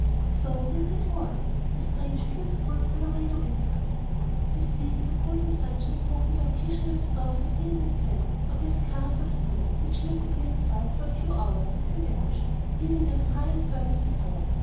So the winter drew on, the strange, beautiful Colorado winter, with weeks of golden sunshine broken by occasional storms of wind and sand, or by skurries of snow which made the plains white for a few hours and then vanished, leaving them dry and firm as before.